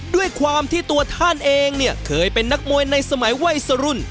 ด้วยความที่ตัวท่านเองเนี่ยเคยเป็นนักมวยในสมัยวัยสรุ่น